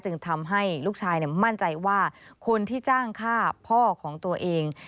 ทำให้ลูกชายมั่นใจว่าคนที่จ้างฆ่าพ่อของตัวเอง